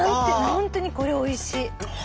本当にこれおいしい！